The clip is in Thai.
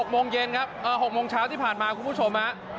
๖โมงเย็นครับ๖โมงเช้าที่ผ่านมาคุณผู้ชมฮะ